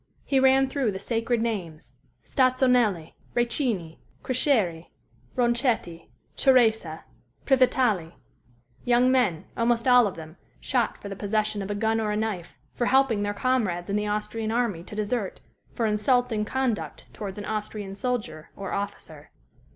He ran through the sacred names Stazzonelli, Riccini, Crescieri, Ronchetti, Ceresa, Previtali young men, almost all of them, shot for the possession of a gun or a knife, for helping their comrades in the Austrian army to desert, for "insulting conduct" towards an Austrian soldier or officer.